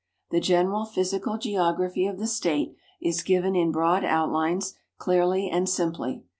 The general physical geography of the State is given in broad outlines, clearly and simply.